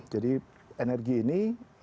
jadi energi ini